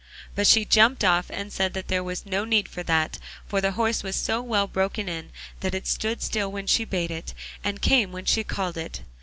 But she jumped off and said that there was no need for that, for the horse was so well broken in that it stood still when she bade it and came when she called it.